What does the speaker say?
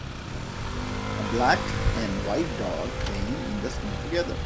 a black and white dog playing in the snow together